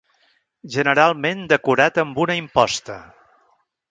Generalment decorat amb una imposta.